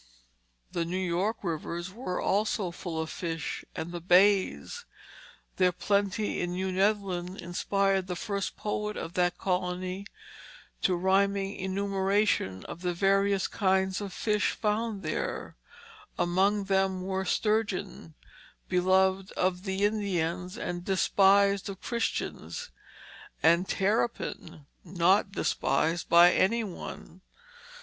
The New York rivers were also full of fish, and the bays; their plenty in New Netherland inspired the first poet of that colony to rhyming enumeration of the various kinds of fish found there; among them were sturgeon beloved of the Indians and despised of Christians; and terrapin not despised by any one.